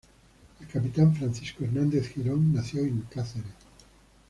El capitán Francisco Hernández Girón nació en Cáceres.